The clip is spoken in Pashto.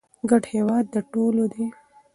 ګډ هېواد د ټولو دی.